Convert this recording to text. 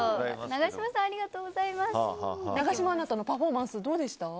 永島アナのパフォーマンスどうでした？